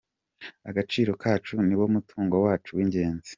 Agaciro kacu niwo mutungo wacu w’ingenzi.